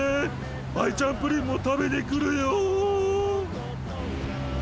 アイちゃんプリンも食べに来るよ！